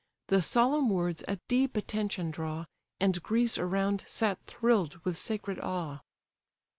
The solemn words a deep attention draw, And Greece around sat thrill'd with sacred awe.